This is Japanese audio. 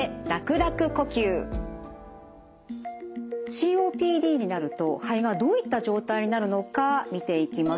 ＣＯＰＤになると肺がどういった状態になるのか見ていきましょう。